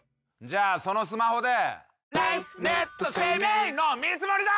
じゃあそのスマホで。